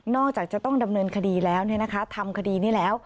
จากจะต้องดำเนินคดีแล้วทำคดีนี้แล้ว